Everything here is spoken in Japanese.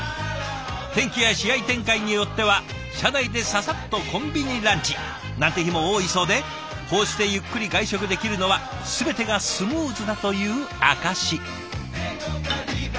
天気や試合展開によっては車内でササッとコンビニランチなんて日も多いそうでこうしてゆっくり外食できるのは全てがスムーズだという証し。